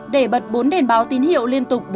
để bật bốn đèn báo tín hiệu liên tục